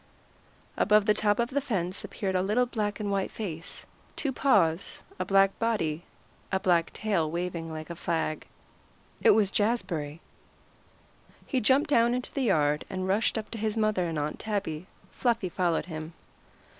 Above the top of the fence appeared a little black and white face, two white paws, a black body, a black tail waving like a flag. It was Jazbury. He jumped down into the yard, and rushed up to his mother and Aunt Tabby. Fluffy followed him.